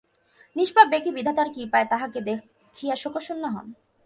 নিষ্পাপ ব্যক্তি বিধাতার কৃপায় তাঁহাকে দেখিয়া শোকশূন্য হন।